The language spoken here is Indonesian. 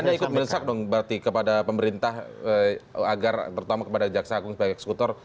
jadi anda ikut meresap dong berarti kepada pemerintah agar terutama kepada jaksa agung sebagai eksekutor